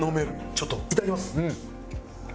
ちょっといただきます。